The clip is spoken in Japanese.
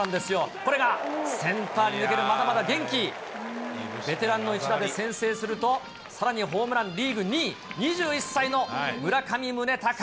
これがセンターに抜けて、まだまだ元気、ベテランの一打で先制すると、さらにホームランリーグ２位、１８歳違い。